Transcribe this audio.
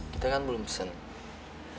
kita kan belum senang